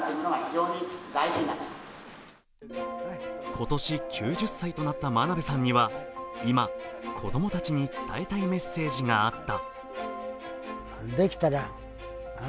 今年９０歳となった真鍋さんには今、子供たちに伝えたいメッセージがあった。